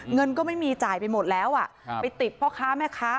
เงินก็ไม่มีจ่ายไปหมดแล้วไปติดรายพร้อมคราว